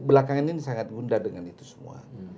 belakangan ini sangat bunda dengan itu semua